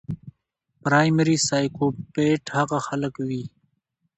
پرايمري سايکوپېت هغه خلک وي